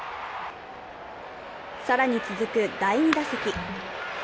更に、続く第２打席。